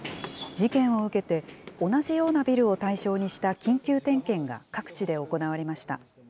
事件を受けて、同じようなビルを対象にした緊急点検が各地で行われました。